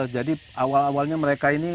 jadi awal awalnya mereka ini